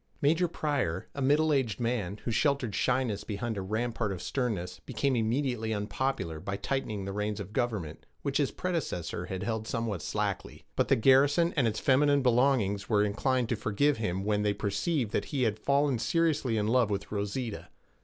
Major Pryor, a middle aged man, who sheltered shyness behind a rampart of sternness, became immediately unpopular by tightening the reins of government, which his predecessor had held somewhat slackly. But the garrison and its feminine belongings were inclined to forgive him when they perceived that he had fallen seriously in love with Rosita.